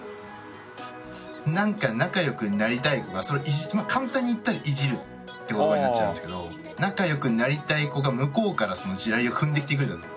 なんか仲良くなりたい子が簡単に言ったらいじるって言葉になっちゃうんですけど仲良くなりたい子が向こうからその地雷を踏んできてくれたとき。